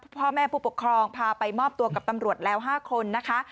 พ่อแม่ผู้ปกครองพาไปมอบตัวกับตำรวจแล้ว๕คนนะคะ